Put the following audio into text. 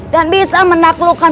dan bisa menaklukkan